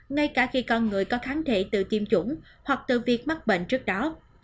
ngay cả khi con người có kháng thể tự tiêm chủng hoặc từ việc mắc bệnh trước đó